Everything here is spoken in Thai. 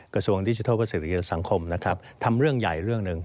กระทรวงดิจิทัลเพื่อเศรษฐกิจสังคมนะครับทำเรื่องใหญ่เรื่องหนึ่ง